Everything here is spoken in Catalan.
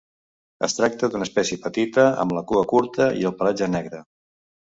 Es tracta d'una espècie petita, amb la cua curta i el pelatge negre.